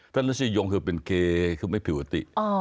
แต่รสนิยมคือเป็นเกย์คือไม่เป็นผิวอุติ